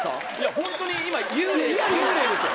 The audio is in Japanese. ホントに今幽霊ですよ。